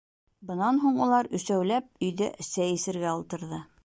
Бынан һуң улар өсәүләп өйҙә сәй эсергә ултырҙы.